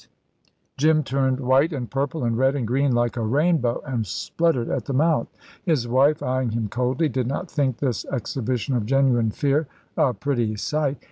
Jim turned white and purple and red and green like a rainbow, and spluttered at the mouth. His wife, eyeing him coldly, did not think this exhibition of genuine fear a pretty sight.